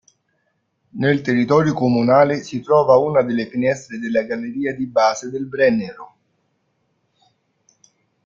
Nel territorio comunale si trova una delle finestre della galleria di base del Brennero.